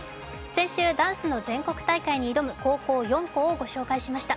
先週、ダンスの全国大会に挑む高校４校をご紹介しました。